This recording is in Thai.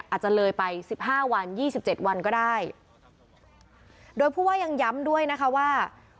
อาจจะเลยไปสิบห้าวันยี่สิบเจ็ดวันก็ได้โดยผู้ว่ายังย้ำด้วยนะคะว่า